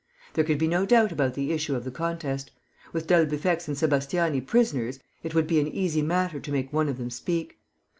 There could be no doubt about the issue of the contest. With d'Albufex and Sébastiani prisoners; it would be an easy matter to make one of them speak.